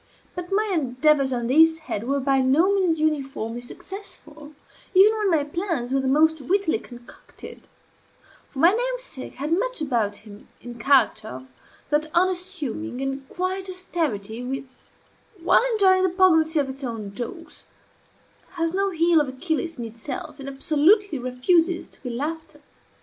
But my endeavors on this head were by no means uniformly successful, even when my plans were the most wittily concocted; for my namesake had much about him, in character, of that unassuming and quiet austerity which, while enjoying the poignancy of its own jokes, has no heel of Achilles in itself, and absolutely refuses to be laughed at.